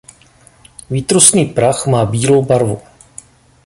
Výtrusný prach má bílou barvu.